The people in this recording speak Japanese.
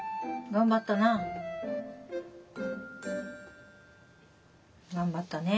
頑張ったね。